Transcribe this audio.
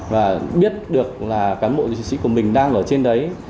và biết được là cán bộ chiến sĩ của mình đang ở trên đấy